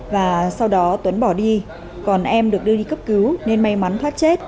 và sau đó tuấn bỏ đi còn em được đưa đi cấp cứu nên may mắn thoát chết